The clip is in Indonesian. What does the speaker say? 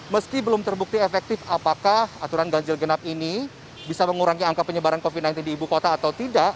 meski belum terbukti efektif apakah aturan ganjil genap ini bisa mengurangi angka penyebaran covid sembilan belas di ibu kota atau tidak